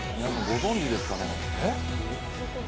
ご存じですかね。